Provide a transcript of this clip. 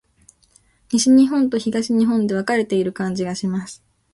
西日本と東日本で分かれている感じがします。